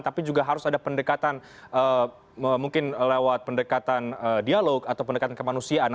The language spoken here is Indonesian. tapi juga harus ada pendekatan mungkin lewat pendekatan dialog atau pendekatan kemanusiaan